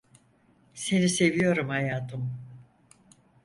Seni seviyorum hayatım.